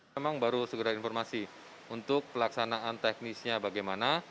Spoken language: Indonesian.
memang baru segera informasi untuk pelaksanaan teknisnya bagaimana